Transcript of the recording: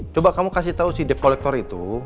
coba kamu kasih tau si debt collector itu